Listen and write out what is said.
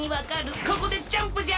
ここでジャンプじゃ！